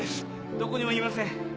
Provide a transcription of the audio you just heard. どこにもいません。